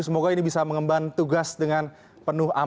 semoga ini bisa mengemban tugas dengan penuh amanah